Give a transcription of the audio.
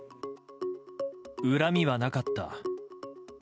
恨みはなかった。